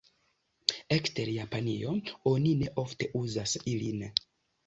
Ekster Japanio, oni ne ofte uzas ilin.